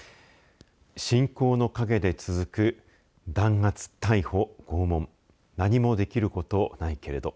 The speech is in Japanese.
侵攻の陰で続く弾圧、逮捕、拷問何もできることないけれど。